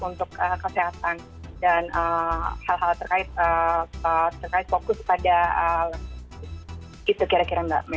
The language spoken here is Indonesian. untuk kesehatan dan hal hal terkait fokus pada itu kira kira mbak